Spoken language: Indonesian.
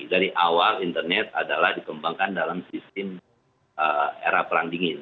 dari awal internet adalah dikembangkan dalam sistem era perang dingin